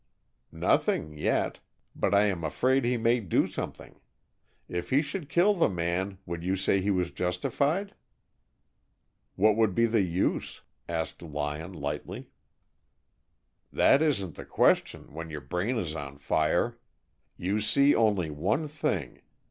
"Nothing, yet. But I am afraid he may do something. If he should kill the man, would you say he was justified?" "What would be the use?" asked Lyon, lightly. "That isn't the question, when your brain is on fire. You see only one thing.